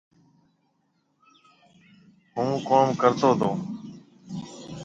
هُون ڪوم ڪرتو تو